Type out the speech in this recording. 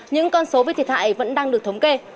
những con số về thiệt hại vẫn đang được thống kê